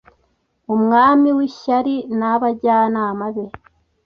umwami wishyari nabajyanama be